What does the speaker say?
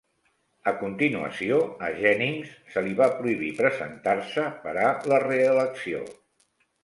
A continuació, a Jennings se li va prohibir presentar-se per a la reelecció.